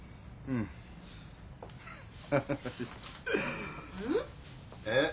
うん？えっ？